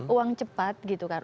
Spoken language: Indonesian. uang cepat gitu kan